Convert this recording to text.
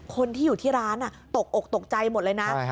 คนที่อยู่ที่ร้านตกอกตกใจหมดเลยนะ